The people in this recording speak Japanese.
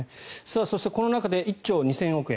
そしてこの中で１兆２０００億円